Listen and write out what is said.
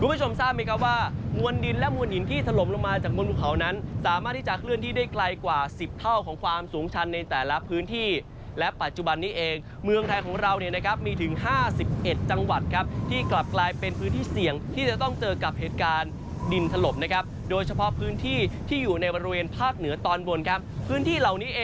คุณผู้ชมทราบไหมครับว่ามวลดินและมวลหินที่ถล่มลงมาจากบนภูเขานั้นสามารถที่จะเคลื่อนที่ได้ไกลกว่าสิบเท่าของความสูงชันในแต่ละพื้นที่และปัจจุบันนี้เองเมืองไทยของเราเนี่ยนะครับมีถึง๕๑จังหวัดครับที่กลับกลายเป็นพื้นที่เสี่ยงที่จะต้องเจอกับเหตุการณ์ดินถล่มนะครับโดยเฉพาะพื้นที่ที่อยู่ในบริเวณภาคเหนือตอนบนครับพื้นที่เหล่านี้เอ